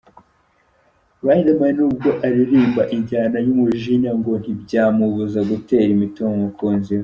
Riderman n’ubwo aririmba injyana y’umujinya ngo ntibyamubuza gutera imitoma umukunzi we.